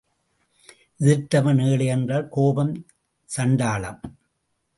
எதிர்த்தவன் ஏழை என்றால் கோபம் சண்டாளம்.